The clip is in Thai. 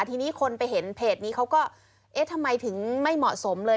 ทีนี้คนไปเห็นเพจนี้เขาก็เอ๊ะทำไมถึงไม่เหมาะสมเลย